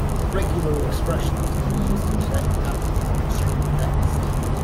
Regular expression can be used to detect patterns in a string of text.